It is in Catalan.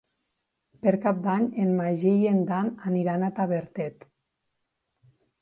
Per Cap d'Any en Magí i en Dan aniran a Tavertet.